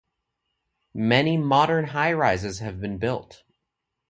Many modern highrises have been built.